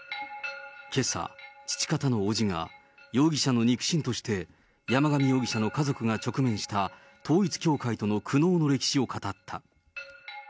けさ、父方の伯父が容疑者の肉親として、山上容疑者の家族が直面した統一教会との苦悩の歴史を語った。